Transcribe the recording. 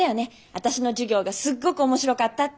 私の授業がすっごく面白かったって。